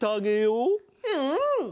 うん！